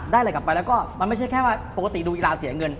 อะไรกลับไปแล้วก็มันไม่ใช่แค่ว่าปกติดูกีฬาเสียเงิน